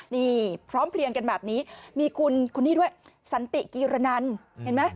นี่พร้อมเพลียงกันแบบนี้มีคุณคุณนี่ด้วยสันติกีรนันเห็นไหม